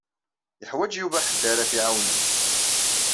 Yuḥwaǧ Yuba ḥedd ara t-iɛawnen.